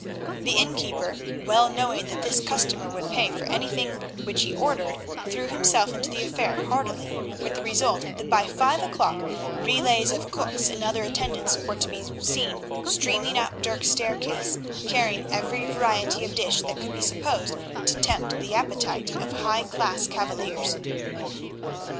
The innkeeper, well knowing that this customer would pay for anything which he ordered, threw himself into the affair heartily, with the result that by five o'clock relays of cooks and other attendants were to be seen streaming up Dirk's staircase, carrying every variety of dish that could be supposed to tempt the appetite of high class cavaliers.